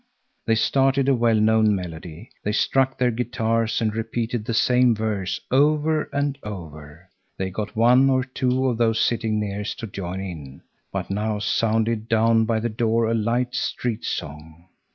They started a well known melody. They struck their guitars and repeated the same verse over and over. They got one or two of those sitting nearest to join in, but now sounded down by the door a light street song.